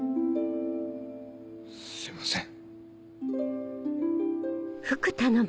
すいません。